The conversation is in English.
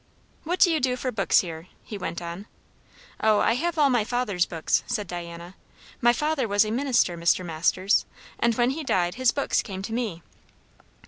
"What do you do for books here?" he went on. "O, I have all my father's books," said Diana. "My father was a minister, Mr. Masters; and when he died his books came to me."